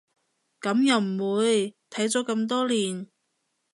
噉又唔會，睇咗咁多年